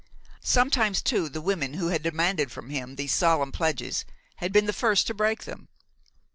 Sometimes too the women who had demanded from him these solemn pledges had been the first to break them.